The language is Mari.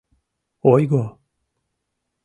Ойго!